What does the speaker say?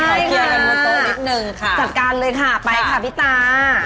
ขอเคลียร์กันบนโต๊ะนิดหนึ่งค่ะจัดการเลยค่ะไปค่ะพี่ตา